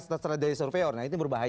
setelah dari surveyor nah itu berbahaya